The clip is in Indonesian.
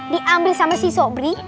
diambil sama si sobri